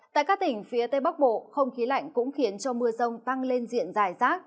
tại các tỉnh phía tây bắc bộ không khí lạnh cũng khiến cho mưa rông tăng lên diện dài rác